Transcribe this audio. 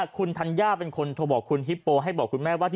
คุณธัญญาเป็นคนโทรบอกคุณฮิปโปให้บอกคุณแม่ว่า